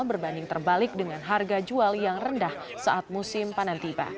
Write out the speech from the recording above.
berbanding terbalik dengan harga jual yang rendah saat musim panen tiba